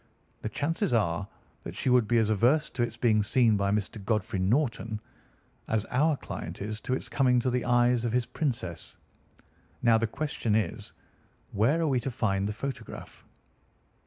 The chances are that she would be as averse to its being seen by Mr. Godfrey Norton, as our client is to its coming to the eyes of his princess. Now the question is, Where are we to find the photograph?"